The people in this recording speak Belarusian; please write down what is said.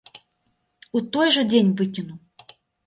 У той жа дзень выкіну!